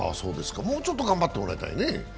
もうちょっと頑張ってもらいたいね。